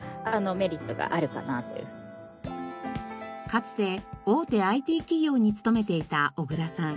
かつて大手ＩＴ企業に勤めていた小倉さん。